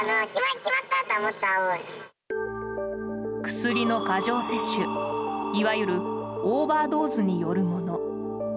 薬の過剰摂取、いわゆるオーバードーズによるもの。